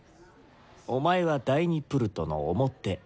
お前は第２プルトの表。